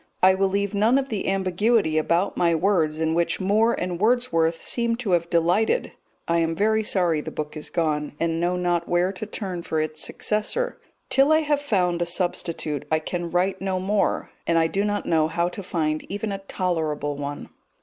I will leave none of the ambiguity about my words in which Moore and Wordsworth seem to have delighted. I am very sorry the book is gone, and know not where to turn for its successor. Till I have found a substitute I can write no more, and I do not know how to find even a tolerable one.